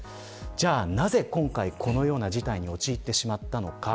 じゃあなぜ、今回このような事態に陥ってしまったのか。